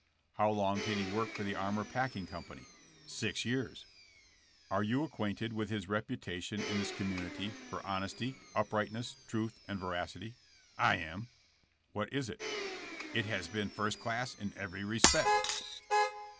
''How long did he work for the Armour Pack ing companj^?" Six years." *'Are you acquainted with his reputation in this community for honesty, uprightness, truth and veracity ?'' "I am." "What is it?" "It has been first class in every respect."